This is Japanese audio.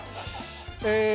え